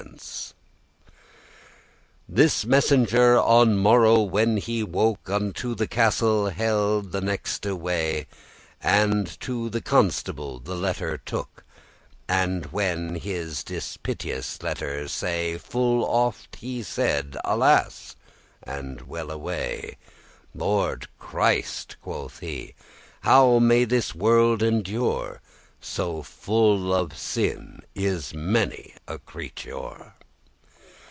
*contrived plan, plot This messenger, on morrow when he woke, Unto the castle held the nexte* way, *nearest And to the constable the letter took; And when he this dispiteous* letter sey, *cruel saw Full oft he said, "Alas, and well away! Lord Christ," quoth he, "how may this world endure? So full of sin is many a creature.